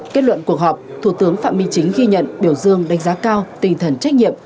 kết luận cuộc họp thủ tướng phạm minh chính ghi nhận biểu dương đánh giá cao tinh thần trách nhiệm